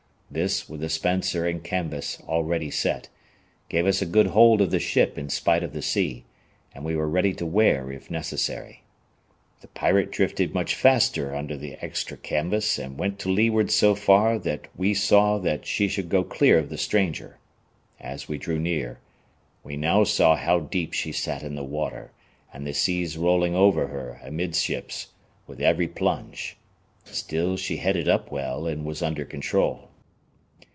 This, with the spencer and canvas already set, gave us a good hold of the ship in spite of the sea, and we were ready to wear if necessary. The Pirate drifted much faster under the extra canvas and went to leeward so far that we saw that she would go clear of the stranger. As we drew near, we now saw how deep she sat in the water, the seas rolling over her, amidships, with every plunge. Still she headed up well and was under control.